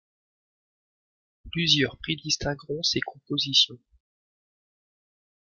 Plusieurs prix distingueront ses compositions.